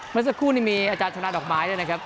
เมื่อสักครู่นี่มีอาจารย์ชนะดอกไม้ด้วยนะครับ